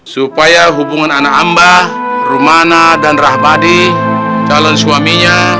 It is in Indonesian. supaya hubungan anak ambah rumana dan rahmadi calon suaminya